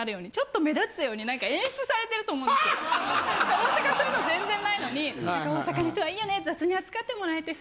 大阪はそういうの全然ないのに「大阪の人はいいよね雑に扱ってもらえてさ。